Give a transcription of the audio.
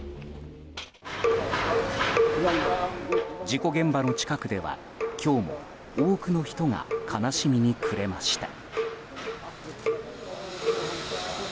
事故現場の近くでは今日も多くの人が悲しみに暮れました。